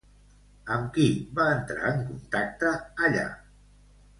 Amb qui va entrar en contacte allà?